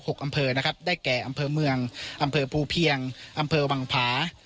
อำเภอนะครับได้แก่อำเภอเมืองอำเภอภูเพียงอำเภอวังผา